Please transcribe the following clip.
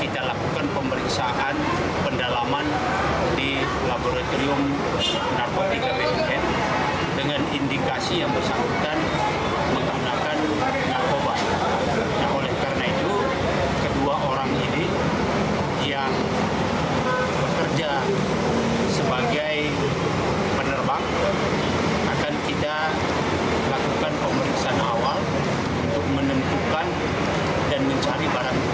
dan mencari barang bukti